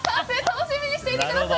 楽しみにしていてください！